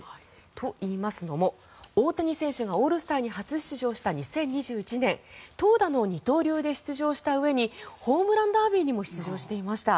といいますのも、大谷選手がオールスターに初出場した２０２１年投打の二刀流で出場したうえにホームランダービーにも出場していました。